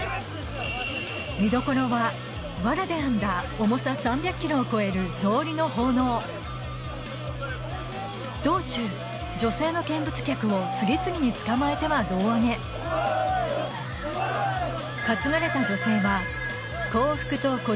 見どころはワラで編んだ重さ３００ｋｇを超える草履の奉納道中女性の見物客を次々に捕まえては胴上げわっしょい！